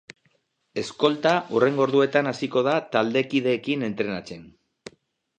Eskolta hurrengo orduetan hasiko da taldekideekin entrenatzen.